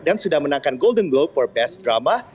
dan sudah menangkan golden globe for best drama